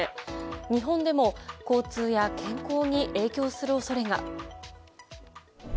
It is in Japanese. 日本でも交通や健康に影響する恐れが。